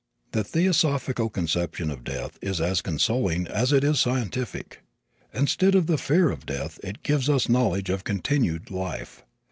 The theosophical conception of death is as consoling as it is scientific. Instead of the fear of death it gives us knowledge of continued life.